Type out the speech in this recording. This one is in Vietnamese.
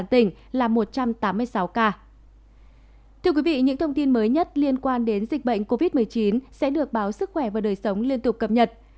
thưa quý vị những thông tin mới nhất liên quan đến dịch bệnh covid một mươi chín sẽ được báo sức khỏe và đời sống liên tục cập nhật